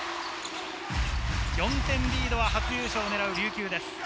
４点リードは初優勝をねらう琉球です。